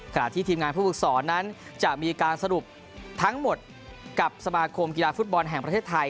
ขณะที่ทีมงานผู้ฝึกสอนนั้นจะมีการสรุปทั้งหมดกับสมาคมกีฬาฟุตบอลแห่งประเทศไทย